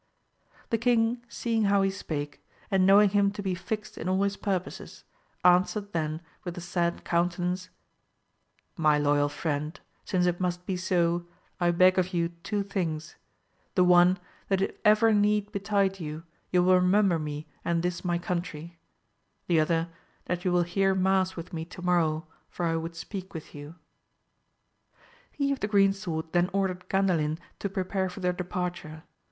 The king seeing how he spake, and knowing him to be fixed in all his purposes, answered then with a sad countenance, My loyal Mend, since it must be so, I beg of you two things : the one, that if ever need betide you, you will remember me and this my country; the other, that you will hear mass witL me to morrow, for I would speak with you. He of the green sword then ordered Gandalin to prepare for their depaii^ure.